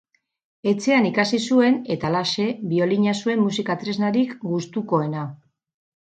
Etxean ikasi zuen, eta, halaxe, biolina zuen musika tresnarik gustukoena.